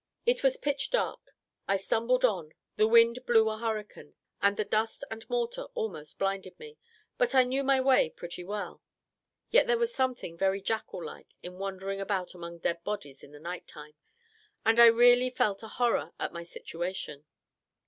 It was pitch dark. I stumbled on: the wind blew a hurricane, and the dust and mortar almost blinded me; but I knew my way pretty well. Yet there was something very jackall like, in wandering about among dead bodies in the night time, and I really felt a horror at my situation.